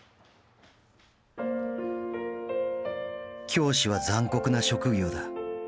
教師は残酷な職業だ。